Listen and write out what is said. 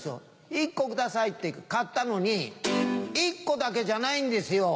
１個くださいって買ったのに１個だけじゃないんですよ。